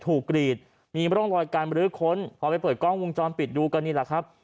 กรีดมีร่องรอยการบรื้อค้นพอไปเปิดกล้องวงจรปิดดูก็นี่แหละครับ